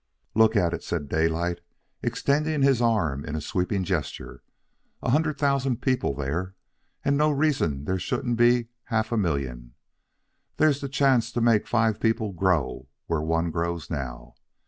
"Look at it," said Daylight, extending his arm in a sweeping gesture. "A hundred thousand people there, and no reason there shouldn't be half a million. There's the chance to make five people grow where one grows now.